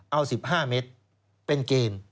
เอา๑๕เมตรเป็นเกม